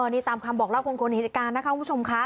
นี่ตามคำบอกแล้วคร่วงในเหตุการณ์นะคะลูกผู้ชมค่ะ